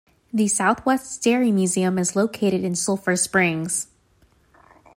The Southwest Dairy Museum is located in Sulphur Springs.